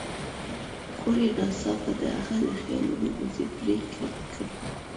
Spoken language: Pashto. خور يې ناڅاپه د هغه د خيالونو مزی پرې کړ.